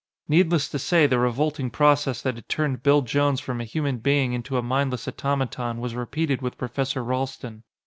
Needless to say, the revolting process that had turned Bill Jones from a human being into a mindless automaton was repeated with Professor Ralston.